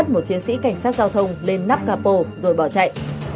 một chiến sĩ cảnh sát giao thông lên nắp capo rồi bỏ chạy